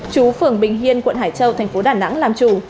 chú phường bình hiên quận hải châu tp đà nẵng làm chủ